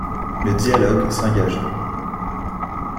Le dialogue s’engagea.